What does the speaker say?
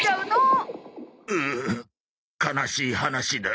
うう悲しい話だ。